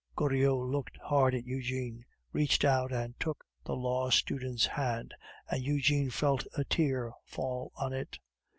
Goriot looked hard at Eugene, reached out and took the law student's hand, and Eugene felt a tear fall on it.